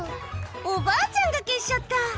おばあちゃんが消しちゃった！